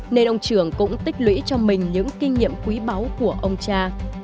nên ông trường cũng tích lũy cho mình những kinh nghiệm quý báu của ông cha